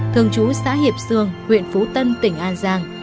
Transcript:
thường trú xã hiệp sương huyện phú tân tỉnh an giang